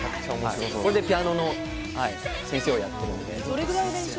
僕はピアノの先生をやっているので。